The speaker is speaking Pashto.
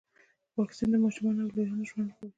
واکسین د ماشومانو او لویانو ژوند ژغوري.